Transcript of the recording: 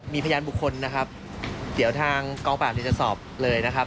มีพยานบุคคลนะครับเดี๋ยวทางกองปราบเดี๋ยวจะสอบเลยนะครับ